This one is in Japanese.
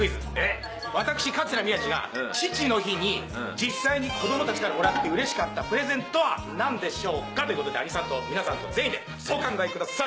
私桂宮治が父の日に実際に子供たちからもらってうれしかったプレゼントは何でしょうか？ということで兄さんと皆さんと全員でお考えください！